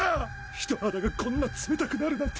人肌がこんな冷たくなるなんて。